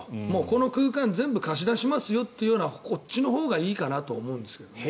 この空間全部貸し出しますよというこっちのほうがいいかなと思うんですけどね。